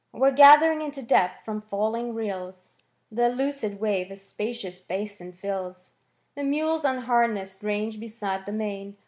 Where ^thering into depth from falling riUs^ The lucid wave a spacious bason fills. The mules nnhamess'd range beside the main.